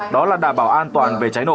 đó là đảm bảo an toàn về cháy nổ